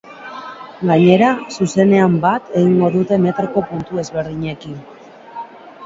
Gainera, zuzenean bat egingo dute metroko puntu ezberdinekin.